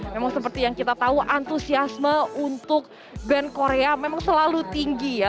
memang seperti yang kita tahu antusiasme untuk band korea memang selalu tinggi ya